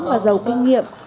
và giàu kinh nghiệm